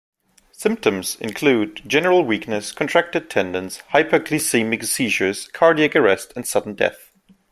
Symptoms include general weakness, contracted tendons, hypoglycemic seizures, cardiac arrest, and sudden death.